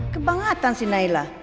kebangatan sih nailah